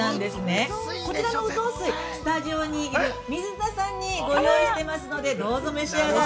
ふすい、スタジオにいる、水田さんにご用意していますのでどうぞ召し上がれ。